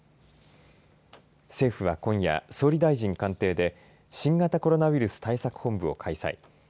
政府は今夜、総理大臣官邸で新型コロナウイルス対策本部を開催。